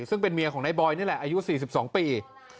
ซึ่งเป็นเมียของนายบอยนี่แหละอายุ๔๒ปี